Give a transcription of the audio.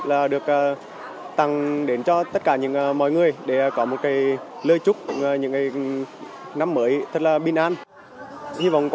là được tặng chữ cho những người bạn chuẩn bị đón tết